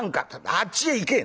「あっちへ行け！」